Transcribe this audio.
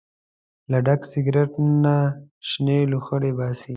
له ډک سګرټ نه شنې لوخړې باسي.